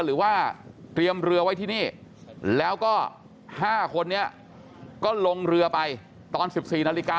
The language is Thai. หรือว่าเตรียมเรือไว้ที่นี่แล้วก็๕คนนี้ก็ลงเรือไปตอน๑๔นาฬิกา